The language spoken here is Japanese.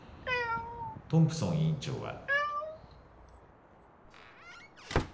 トンプソン委員長は。